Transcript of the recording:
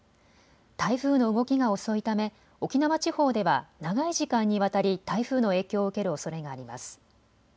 台風の動きが遅いため沖縄地方では長い時間にわたり台風の影響を受けるおそれがあります。